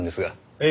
ええ。